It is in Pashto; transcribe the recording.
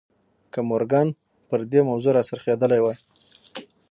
که مورګان پر دې موضوع را څرخېدلی وای.